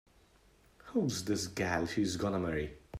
Who's this gal she's gonna marry?